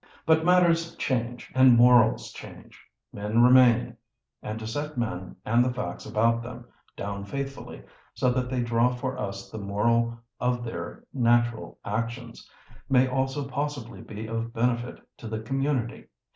But matters change, and morals change; men remain—and to set men, and the facts about them, down faithfully, so that they draw for us the moral of their natural actions, may also possibly be of benefit to the community.